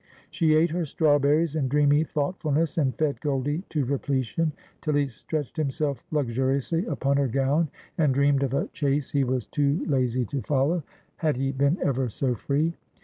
She ate her strawberries in (dreamy thoughtfulness, and fed Goldie to repletion, till he stretched himself luxuriously upon her gown, and dreamed of a chase he was too lazy to follow, had he been ever so free.